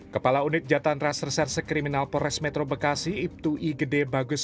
kepala unit jatah raster serser kriminal pores metro bekasi ibtu igede bagus